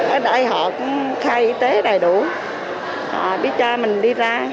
ở đây họ cũng khai y tế đầy đủ họ biết cho mình đi ra